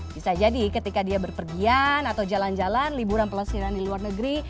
bisa jadi ketika dia berpergian atau jalan jalan liburan pelesiran di luar negeri